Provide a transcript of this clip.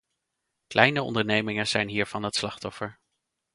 Kleine ondernemingen zijn hiervan het slachtoffer.